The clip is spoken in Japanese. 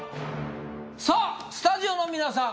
さあスタジオの皆さん